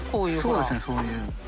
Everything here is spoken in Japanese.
そうですねそういう大島）